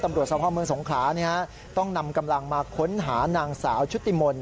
ตำรวจสภาพเมืองสงขลาต้องนำกำลังมาค้นหานางสาวชุติมนต์